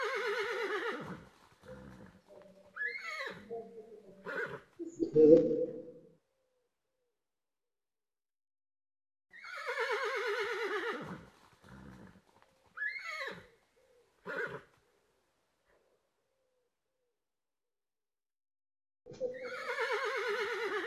মানুষেরা দানবদের মতোই।